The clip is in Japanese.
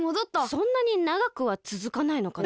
そんなにながくはつづかないのかな。